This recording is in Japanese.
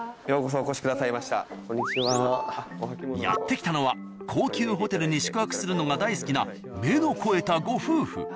やって来たのは高級ホテルに宿泊するのが大好きな目の肥えたご夫婦。